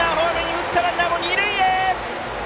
打ったランナーも二塁へ。